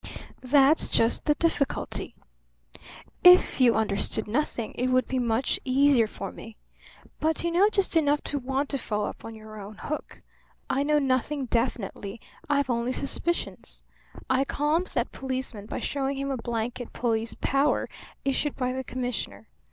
"That's just the difficulty. If you understood nothing it would be much easier for me. But you know just enough to want to follow up on your own hook. I know nothing definitely; I have only suspicions. I calmed that policeman by showing him a blanket police power issued by the commissioner.